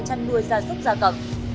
chăn nuôi gia súc gia tập